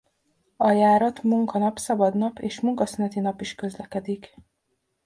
A járat munkanap szabadnap és munkaszüneti nap is közlekedik.